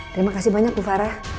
terima kasih banyak bu farah